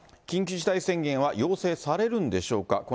緊急事態宣言は要請されるんでしょうか。